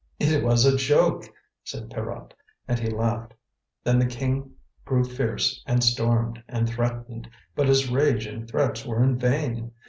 "It was a joke," said Pierrot, and he laughed. Then the King grew fierce and stormed and threatened. But his rage and threats were in vain!